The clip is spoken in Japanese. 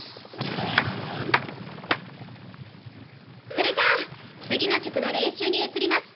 それじゃあ次の曲の練習に移ります。